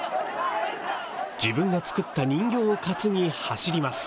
自分が作った人形を担ぎ走ります。